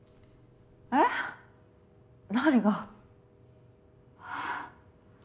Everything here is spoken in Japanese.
えっ？何が？